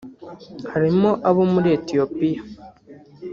harimo abo muri Ethiopia